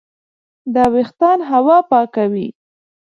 دا وېښتان هوا پاکوي.